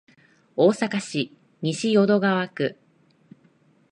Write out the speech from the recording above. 大阪市西淀川区